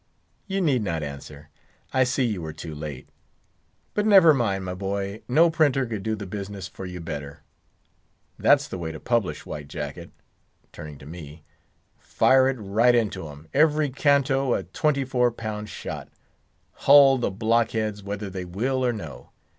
You need not answer; I see you were too late. But never mind, my boy: no printer could do the business for you better. That's the way to publish, White Jacket," turning to me—"fire it right into 'em; every canto a twenty four pound shot; hull the blockheads, whether they will or no.